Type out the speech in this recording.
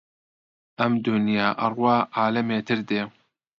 ئەم دونیا ئەڕوا عالەمێتر دێ